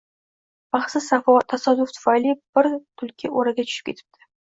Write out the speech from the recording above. Baxtsiz tasodif tufayli bir Tulki o‘raga tushib ketibdi